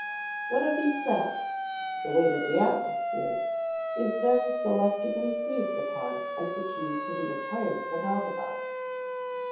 One of these facts, the weight of the atmosphere, is then selectively seized upon as the key to the entire phenomenon.